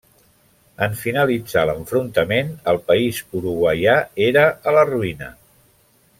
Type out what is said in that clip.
En finalitzar l'enfrontament, el país uruguaià era a la ruïna.